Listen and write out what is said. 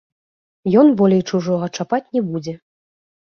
Ён болей чужога чапаць не будзе.